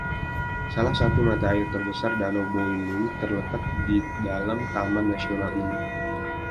Salah satu mata air terbesar, Danau Boiling, terletak di dalam taman nasional ini.